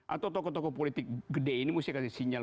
atau tokoh tokoh politik gede ini mesti kasih sinyal